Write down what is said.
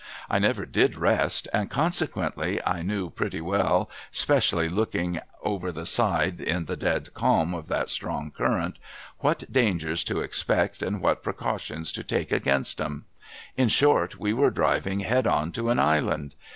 I never did rest, and consequently I knew pretty well ('specially looking over the side in the dead calm of that strong current) what dangers to expect, and what precautions to take against 'em. In short, we were driving head on to an island.